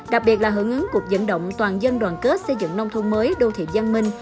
đặc biệt là hưởng ứng cuộc dẫn động toàn dân đoàn kết xây dựng nông thôn mới đô thị giang minh